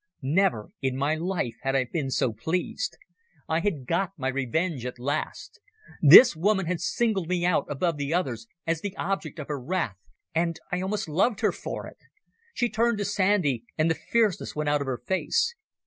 Never in my life had I been so pleased. I had got my revenge at last. This woman had singled me out above the others as the object of her wrath, and I almost loved her for it. She turned to Sandy, and the fierceness went out of her face.